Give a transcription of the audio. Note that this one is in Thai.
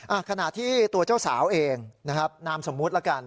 อะขณะทหั่ที่ตัวเจ้าสาวเองนะครับนามสมมติล่ะกัน